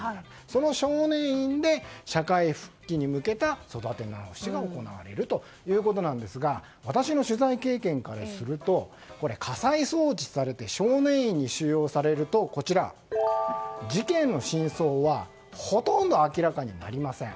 その少年院で社会復帰に向けた育て直しが行われるということなんですが私の取材経験からすると家裁送致されて少年院に収容されると事件の真相はほとんど明らかになりません。